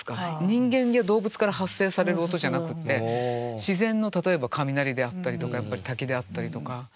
人間や動物から発声される音じゃなくって自然の例えば雷であったりとかやっぱり滝であったりとか。